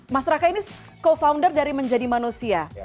masyarakat ini co founder dari menjadi manusia